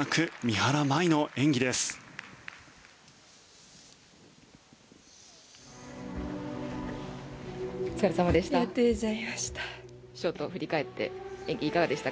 お疲れ様でした。